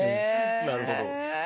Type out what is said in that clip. なるほど。